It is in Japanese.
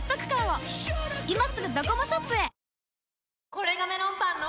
これがメロンパンの！